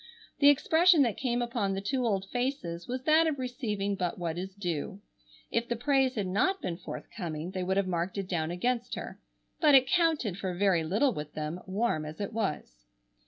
The expression that came upon the two old faces was that of receiving but what is due. If the praise had not been forthcoming they would have marked it down against her, but it counted for very little with them, warm as it was.